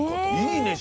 いいね